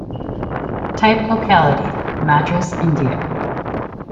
Type locality: Madras, India.